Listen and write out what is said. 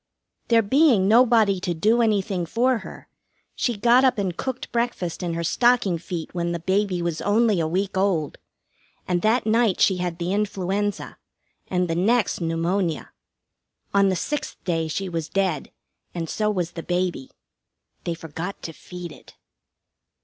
There being nobody to do anything for her, she got up and cooked breakfast in her stocking feet when the baby was only a week old, and that night she had the influenza, and the next pneumonia. On the sixth day she was dead, and so was the baby. They forgot to feed it.